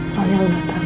soalnya lu gak tau